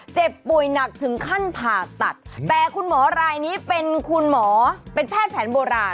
เจ็บป่วยหนักถึงขั้นผ่าตัดแต่คุณหมอรายนี้เป็นคุณหมอเป็นแพทย์แผนโบราณ